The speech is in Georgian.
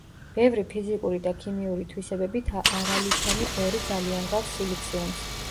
ბევრი ფიზიკური და ქიმიური თვისებებით არალითონი ბორი ძალიან გავს სილიციუმს.